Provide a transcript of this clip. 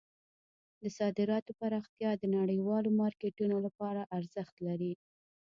د صادراتو پراختیا د نړیوالو مارکیټونو لپاره ارزښت لري.